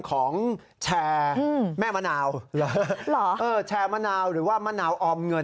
การแชร์มะนาวหรือว่ามะนาวออมเงิน